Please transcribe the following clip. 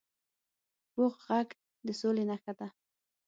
پوخ غږ د سولي نښه ده